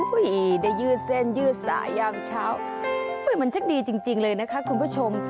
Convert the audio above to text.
ได้ยืดเส้นยืดสายยามเช้ามันจะดีจริงเลยนะคะคุณผู้ชม